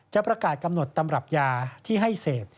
จะประกาศกำหนดตำรับยาที่ให้เสพ